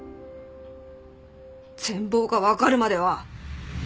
全貌がわかるまでは。